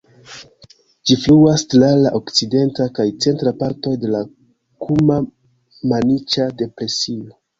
Ĝi fluas tra la okcidenta kaj centra partoj de la Kuma-Maniĉa depresio.